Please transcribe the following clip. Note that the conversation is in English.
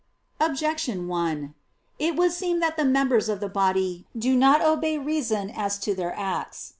Objection 1: It would seem that the members of the body do not obey reason as to their acts.